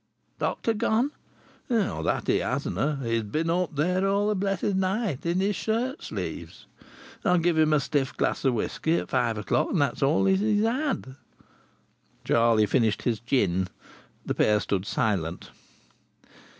"Doctor gone?" "That he has na'! He's bin up there all the blessed night, in his shirt sleeves. I give him a stiff glass o' whisky at five o'clock and that's all as he's had." Charlie finished his gin. The pair stood silent.